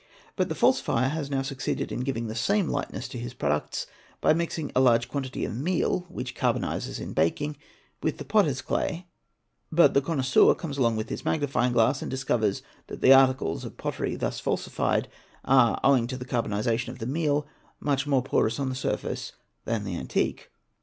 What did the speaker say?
But the falsifier has now succeeded in giving the same lightness to his products by mixing a large quantity of meal, which carbonises in baking, with the potter's clay; but the connoisseur comes along with his magnifying glass and discovers that the articles of pottery thus falsified are, owing to the carbonisation of the meal, much more porous on the surface than the antique.